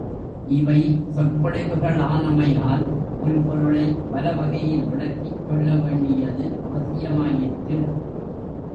இவை சொற்பொழிவுகளானமையால் ஒரு பொருளைப் பல வகையில் விளக்கிச் சொல்ல வேண்டியது அவசியமாயிற்று.